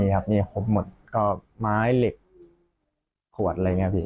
มีครับมีหลบหมดก็ไม้ไหลท์ขวดอะไรอย่างนี้พี่